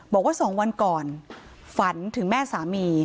บอกว่า๒วันก่อนฝันถึงแม่สามี